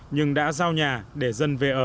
nhưng đã giao nhà để dân về ở